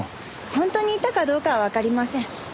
本当にいたかどうかはわかりません。